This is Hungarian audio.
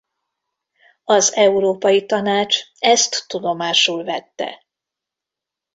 Az Európai Tanács ezt tudomásul vette.